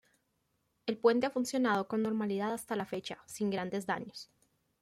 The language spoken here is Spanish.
El puente ha funcionado con normalidad hasta la fecha, sin grandes daños.